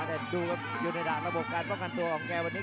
แต่ดูครับยนต์เนดาระบบการป้องกันตัวของแกวันนี้